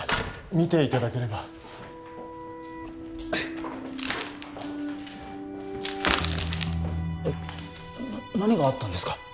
見ていただければ何があったんですか？